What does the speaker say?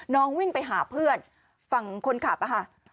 วิ่งไปหาเพื่อนฝั่งคนขับอะค่ะ